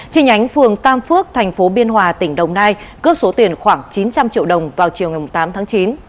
trên nhánh phường tam phước thành phố biên hòa tỉnh đồng nai cướp số tiền khoảng chín trăm linh triệu đồng vào chiều ngày tám tháng chín